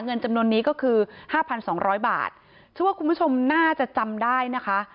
เงินจำนวนนี้ก็คือ๕๒๐๐บาทคุณผู้ชมน่าจะจำได้นะคะ